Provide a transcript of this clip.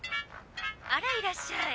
あらいらっしゃい。